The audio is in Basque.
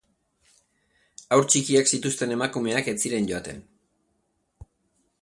Haur txikiak zituzten emakumeak ez ziren joaten.